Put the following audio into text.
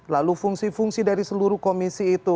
lalu fungsi fungsi dari seluruh komisi itu